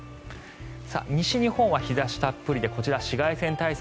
西日本は日差したっぷりでこちら紫外線対策